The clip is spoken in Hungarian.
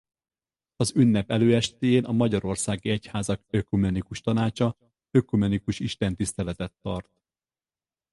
Az ünnep előestéjén a Magyarországi Egyházak Ökumenikus Tanácsa ökumenikus istentiszteletet tart.